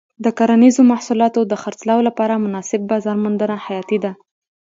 د کرنیزو محصولاتو د خرڅلاو لپاره مناسب بازار موندنه حیاتي ده.